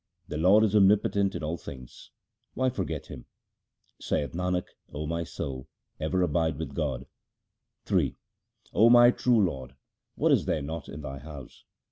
The Lord is omnipotent in all things ; why forget Him? Saith Nanak, O my soul, ever abide with God. Ill 0 my true Lord, what is there not in Thy house